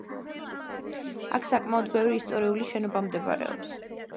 აქ საკმაოდ ბევრი ისტორიული შენობა მდებარეობს.